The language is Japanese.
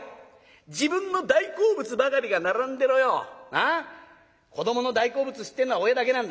自分の大好物ばかりが並んでろよなあ子どもの大好物知ってんのは親だけなんだ。